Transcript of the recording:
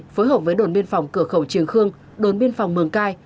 phối hợp với đồn biên phòng cửa khẩu triềng khương đồn biên phòng mường cai